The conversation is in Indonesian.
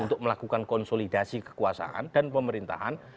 untuk melakukan konsolidasi kekuasaan dan pemerintahan